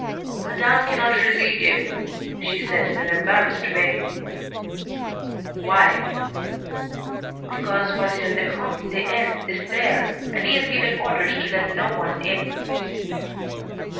"Madame can not receive you," she said in an embarrassed way. "Why?" "Because M. le Comte de N. is there, and he has given orders to let no one in."